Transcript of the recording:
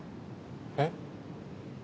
えっ？